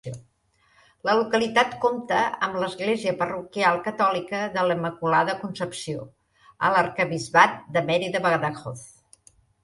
La localitat compta amb l'Església parroquial catòlica de la Immaculada Concepció, a l'Arquebisbat de Mèrida-Badajoz.